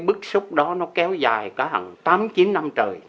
cái bức xúc đó nó kéo dài cả hẳn tám chín năm trời